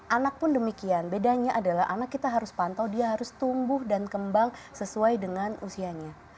anak pun demikian bedanya adalah anak kita harus pantau dia harus tumbuh dan kembang sesuai dengan usianya